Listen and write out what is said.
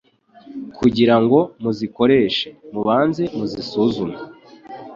kugira ngo muzikoreshe mubanze muzisuzume